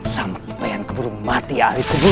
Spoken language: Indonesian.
sampai yang keburu mati ahli keburu